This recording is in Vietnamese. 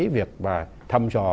việc thăm dò